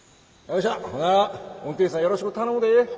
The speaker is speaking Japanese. ほんなら運転手さんよろしく頼むで。